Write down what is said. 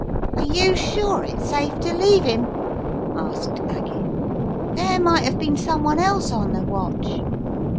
"Are you sure it's safe to leave 'im?" asked Aggie. "There might have been someone else on the watch."